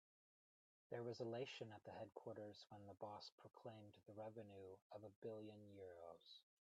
There was elation at the headquarters when the boss proclaimed the revenue of a billion euros.